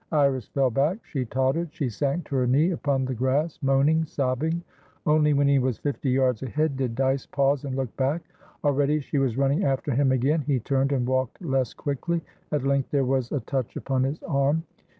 Iris fell back; she tottered; she sank to her knee upon the grass, moaning, sobbing. Only when he was fifty yards ahead did Dyce pause and look back. Already she was running after him again. He turned, and walked less quickly. At length there was a touch upon his arm.